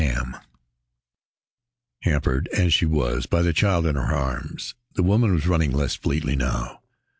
Hamm Hampered as she was by the child in her arms, the woman was running less fleetly now.